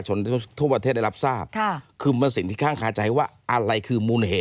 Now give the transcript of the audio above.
เขาอาจจะทำงานจะขายของออนไลน์